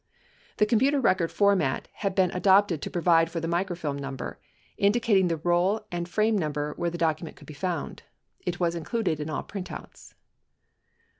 1094 The computer record format had been adapted to provide for the microfilm number, indicating the role and frame number where the document could be found. It was included in all printouts.